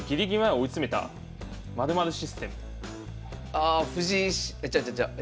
ああ藤井シえちゃうちゃうちゃう。